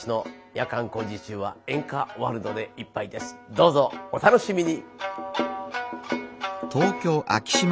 どうぞお楽しみに。